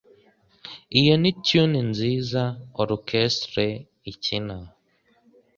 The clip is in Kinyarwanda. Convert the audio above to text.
Iyo ni tune nziza orchestre ikina.